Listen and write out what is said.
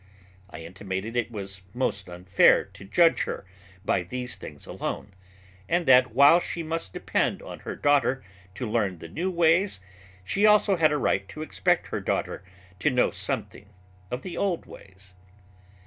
I intimated it was most unfair to judge her by these things alone, and that while she must depend on her daughter to learn the new ways, she also had a right to expect her daughter to know something of the old ways.